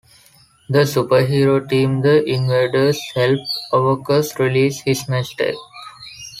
The superhero team the Invaders help Aarkus realize his mistake.